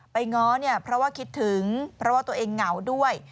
ง้อเนี่ยเพราะว่าคิดถึงเพราะว่าตัวเองเหงาด้วย